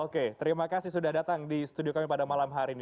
oke terima kasih sudah datang di studio kami pada malam hari ini